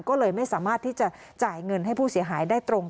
ก็เลยไม่สามารถที่จะจ่ายเงินให้ผู้เสียหายได้ตรง